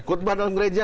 kutbah dalam gereja